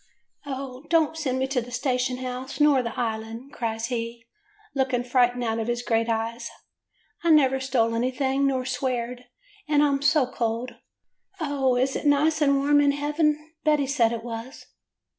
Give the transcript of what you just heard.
*" 'O don't send me to the station house nor the Island,* cries he, looking frightened out of his great eyes. 'I never stole anything, nor sweared, and I *m so cold. O, is it nice and warm in heaven? Betty said it was.